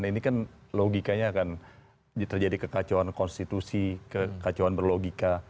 ini kan logikanya akan terjadi kekacauan konstitusi kekacauan berlogika